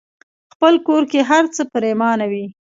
خپل کور کې هرڅه پريمانه وي.